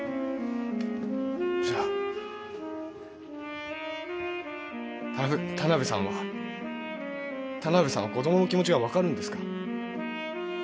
じゃあ田辺さんは田辺さんは子どもの気持ちが分かるんですか？